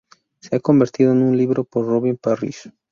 Se ha convertido en un libro por Robin Parrish.